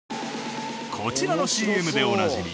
こちらのＣＭでおなじみ